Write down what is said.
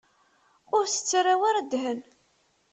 Ur s-ttarra ara ddhen.